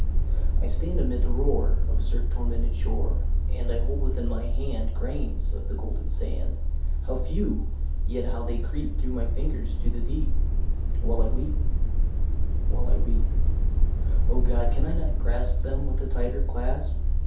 I stand amid the roar Of a surf tormented shore, And I hold within my hand Grains of the golden sand How few! yet how they creep Through my fingers to the deep While I weep while I weep! O God! can I not grasp Them with a tighter clasp?